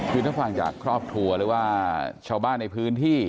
คือถ้าฟังจากครอบครัวหรือว่าชาวบ้านในพื้นที่